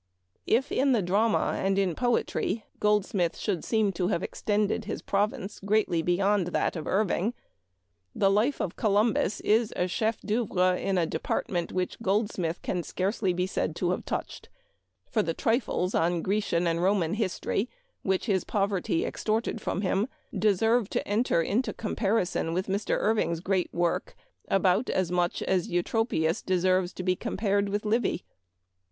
If in the drama and in poetry Goldsmith should seem to have ex tended his province greatly beyond that of Irving, the " Life of Columbus " is a chef d 'oenvre in a department which Goldsmith can scarcely be said to have touched ; for the trifles on Grecian and Roman history which his poverty extorted from him deserve to enter into com parison with Mr. living's great work about as much as Eutropius deserves to be compared with Livy.